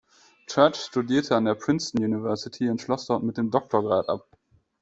Church studierte an der Princeton University und schloss dort mit dem Doktorgrad ab.